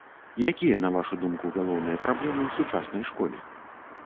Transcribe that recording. Якія, на вашу думку, галоўныя праблемы ў сучаснай школе?